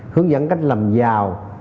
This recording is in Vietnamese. hướng dẫn cách làm giàu